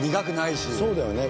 そうだよね。